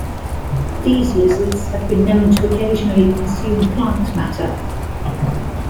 These lizards have been known to occasionally consume plant matter.